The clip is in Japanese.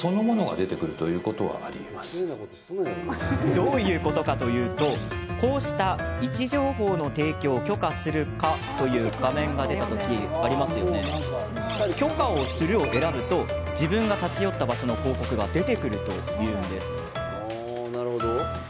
どういうことかというとこうした位置情報の提供を許可するか？という画面が出た時「許可をする」を選ぶと自分が立ち寄った場所の広告が出てくるというんです。